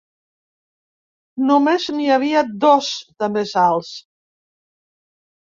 Només n'hi havia dos de més alts.